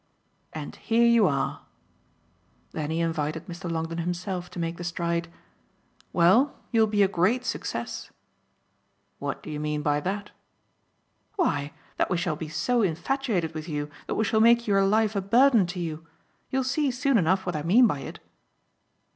"And here you are." Then he invited Mr. Longdon himself to make the stride. "Well, you'll be a great success." "What do you mean by that?" "Why, that we shall be so infatuated with you that we shall make your life a burden to you. You'll see soon enough what I mean by it."